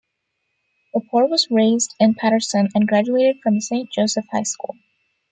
Lepore was raised in Paterson and graduated from Saint Joseph High School.